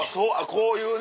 こういうね。